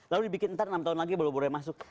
lalu dibikin entar enam tahun lagi baru baru masuk